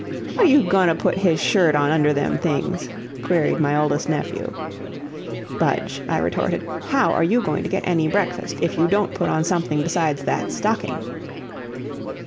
"How you goin' to put his shirt on under them things?" queried my oldest nephew. "Budge," I retorted, "how are you going to get any breakfast if you don't put on something besides that stocking?"